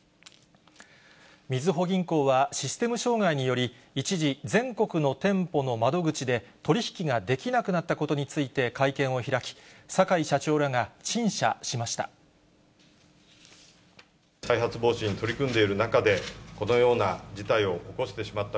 みずほ銀行は、システム障害により、一時全国の店舗の窓口で、取り引きができなくなったことについて会見を開き、坂井社長らが陳謝しました。